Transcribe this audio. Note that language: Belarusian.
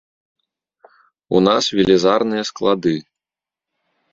У нас велізарныя склады.